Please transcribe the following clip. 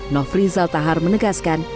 nofri zaltahar menegaskan